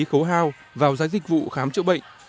khấu hao vào giá dịch vụ khám chữa bệnh